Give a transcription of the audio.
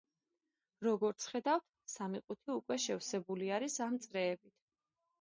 როგორც ხედავთ, სამი ყუთი უკვე შევსებული არის ამ წრეებით.